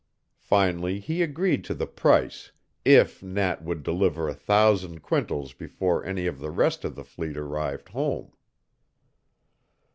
Finally he agreed to the price if Nat would deliver a thousand quintals before any of the rest of the fleet arrived home.